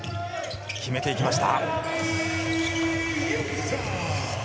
決めていきました。